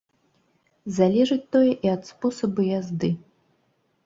Залежыць тое і ад спосабу язды.